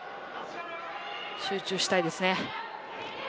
集中したいです。